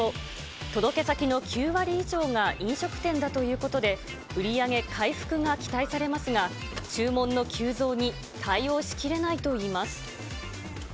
届け先の９割以上が飲食店だということで、売り上げ回復が期待されますが、注文の急増に対応しきれないといいます。